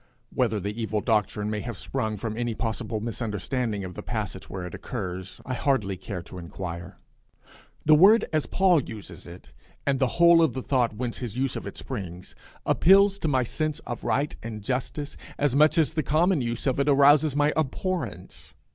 Whether the evil doctrine may have sprung from any possible misunderstanding of the passage where it occurs, I hardly care to inquire. The word as Paul uses it, and the whole of the thought whence his use of it springs, appeals to my sense of right and justice as much as the common use of it arouses my abhorrence.